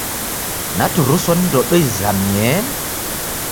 Naturuswa ni ndodo izamie.